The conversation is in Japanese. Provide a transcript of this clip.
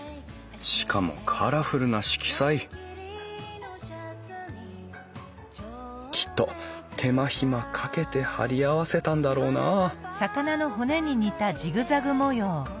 しかもカラフルな色彩きっと手間暇かけて貼り合わせたんだろうなうん。